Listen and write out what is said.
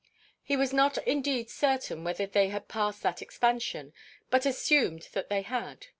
He was not indeed certain whether they had passed that expansion, but assumed that they had.